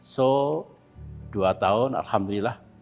so dua tahun alhamdulillah